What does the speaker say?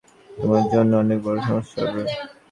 তারা আমাকে সাবধান করেছিল তোমার জন্য অনেক বড় সমস্যা হবে।